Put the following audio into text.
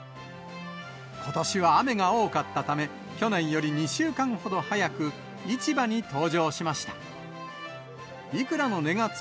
ことしは雨が多かったため、去年より２週間ほど早く市場に登場しました。